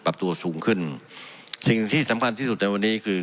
ปรับตัวสูงขึ้นสิ่งที่สำคัญที่สุดในวันนี้คือ